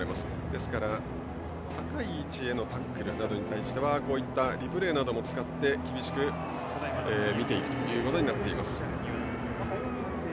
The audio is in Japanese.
ですから、高い位置へのタックルなどに対してはこういったリプレイなども使って厳しく見ていくということになっています。